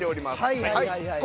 はいはいはいはい。